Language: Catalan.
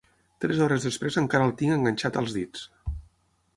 Tres hores després encara el tinc enganxat als dits.